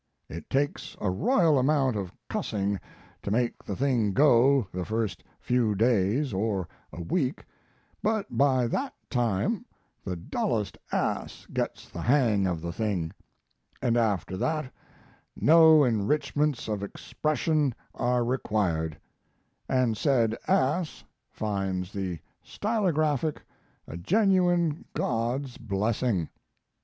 It takes a royal amount of cussing to make the thing go the first few days or a week, but by that time the dullest ass gets the hang of the thing, and after that no enrichments of expression are required, and said ass finds the stylographic a genuine God's blessing.